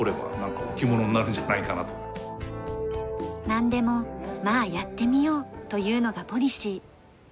なんでも「まあやってみよう」というのがポリシー。